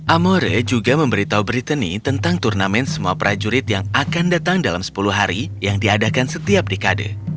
amore juga memberitahu brittany tentang turnamen semua prajurit yang akan datang dalam sepuluh hari yang diadakan setiap dekade